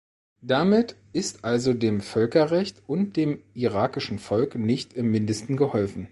Damit ist also dem Völkerrecht und dem irakischen Volk nicht im Mindesten geholfen.